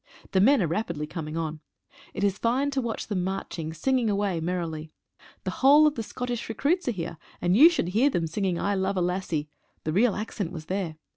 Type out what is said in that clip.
The men are rapidly coming on. It is fine to watch them marching, singing away merrily. The whole of the Scot tish recruits are here, and you should hear them singing — "I love a Lassie" — the real accent was there.